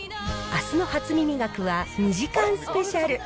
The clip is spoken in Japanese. あすの初耳学は、２時間スペシャル。